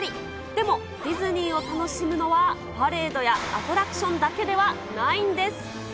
でも、ディズニーを楽しむのは、パレードやアトラクションだけではないんです。